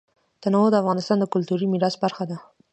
تنوع د افغانستان د کلتوري میراث برخه ده.